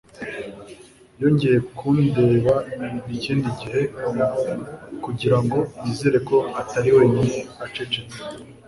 yongeye kundeba ikindi gihe kugirango yizere ko atari wenyine acecetse